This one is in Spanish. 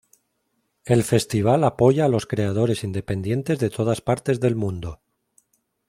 El festival apoya a los creadores independientes de todas partes del mundo.